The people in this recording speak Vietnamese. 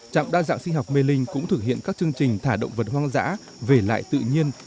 trạm đa dạng sinh học mê linh cũng thực hiện các chương trình thả động vật hoang dã về lại tự nhiên